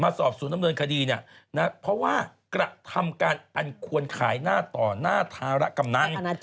สอบสวนดำเนินคดีเนี่ยนะเพราะว่ากระทำการอันควรขายหน้าต่อหน้าธาระกำนัน